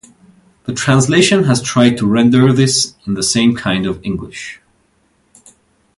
The translation has tried to render this in the same kind of English.